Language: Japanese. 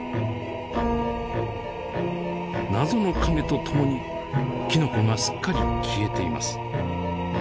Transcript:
謎の影とともにきのこがすっかり消えています。